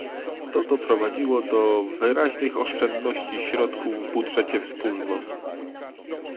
To doprowadziło do wyraźnych-oszczędności środków w budżecie Wspólnot